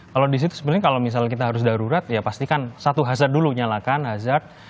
kalau di situ sebenarnya kalau misalnya kita harus darurat ya pastikan satu hazard dulu nyalakan hazard